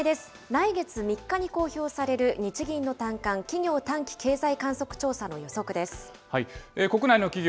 来月３日に公表される日銀の短観・企業短期経済観測調査の予測で国内の企業